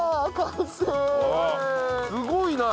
すごいな！